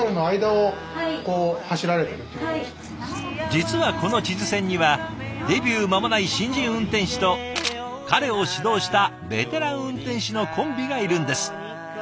実はこの智頭線にはデビュー間もない新人運転士と彼を指導したベテラン運転士のコンビがいるんです。